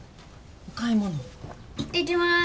お買い物行ってきます